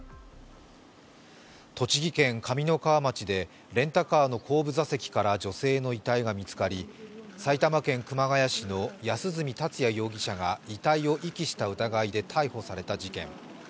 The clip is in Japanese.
栃木県上三川町でレンタカーの後部座席から女性の遺体が見つかり埼玉県熊谷市の安栖達也容疑者が遺体を遺棄した疑いで逮捕された事件。